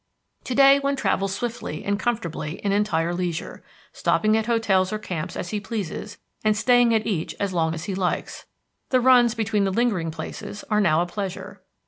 To day one travels swiftly and comfortably in entire leisure, stopping at hotels or camps as he pleases, and staying at each as long as he likes. The runs between the lingering places are now a pleasure.